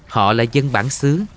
họ là dân bản xứ